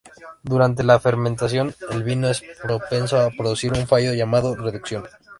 Durante la fermentación, el vino es propenso a producir un fallo llamado reducción.